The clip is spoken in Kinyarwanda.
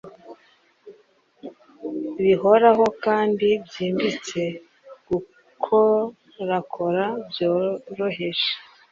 bihoraho kandi byimbitse gukorakora byoroheje